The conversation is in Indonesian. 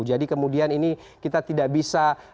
jadi kemudian ini kita tidak bisa